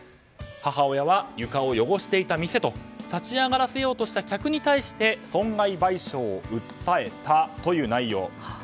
母親は床を汚していた店と立ち上がらせようとした客に対して損害賠償を訴えたという内容。